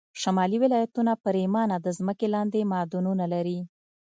شمالي ولایتونه پرېمانه د ځمکې لاندې معدنونه لري